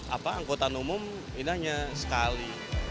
apa angkutan umum ini hanya sekali